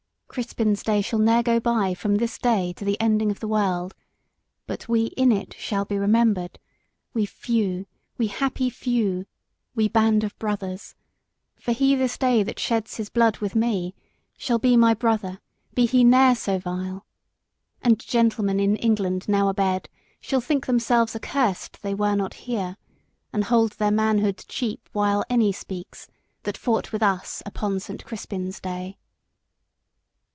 Crispin's day shall ne'er go by from this day to the ending of the world, But we in it shall be remembered, We few, we happy few, we band of brothers, For he to day that sheds his blood with me Shall be my brother, be he ne'er so vile. And gentlemen in England now abed Shall think themselves accursed they were not here, And hold their manhood cheap while any speaks That fought with us upon St. Crispin's day."